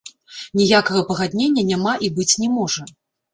Ніякага пагаднення няма і быць не можа.